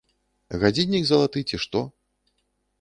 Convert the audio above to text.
Гадзіннік залаты ці што?